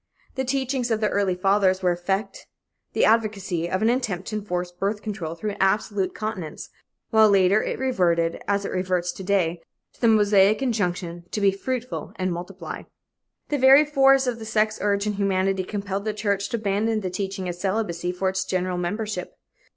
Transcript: The teachings of the "Early Fathers" were effect the advocacy of an attempt to enforce birth control through absolute continence, while later it reverted, as it reverts to day, to the Mosaic injunction to "be fruitful and multiply." The very force of the sex urge in humanity compelled the church to abandon the teaching of celibacy for its general membership.